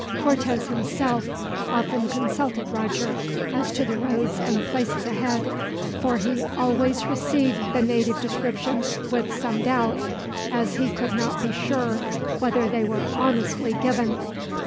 Cortez himself often consulted Roger as to the roads and places ahead, for he always received the native descriptions with some doubt, as he could not be sure whether they were honestly given.